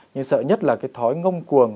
nhưng sợ nhất là cái thói ngông cuồng